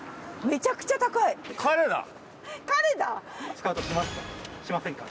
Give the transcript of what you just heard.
スカウトしますか？